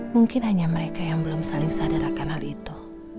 mungkin hanya mereka yang belum saling sadarakan hal itu